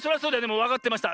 もうわかってました。